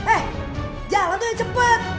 eh jalan tuh cepet